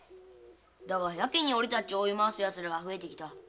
だがやけに俺達を追い回す奴らが増えてきた。